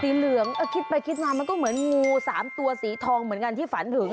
เหลืองคิดไปคิดมามันก็เหมือนงูสามตัวสีทองเหมือนกันที่ฝันถึง